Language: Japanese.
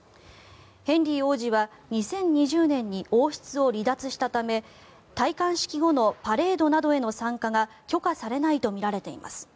ヘンリー王子は２０２０年に王室を離脱したため戴冠式後のパレードなどへの参加が許可されないとみられています。